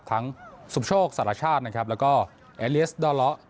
สุโชคสารชาตินะครับแล้วก็เอเลียสดอเลาะ